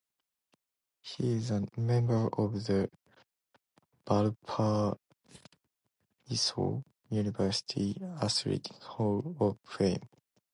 He is a member of the Valparaiso University Athletic Hall of Fame.